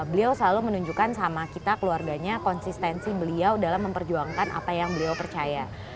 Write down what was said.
beliau selalu menunjukkan sama kita keluarganya konsistensi beliau dalam memperjuangkan apa yang beliau percaya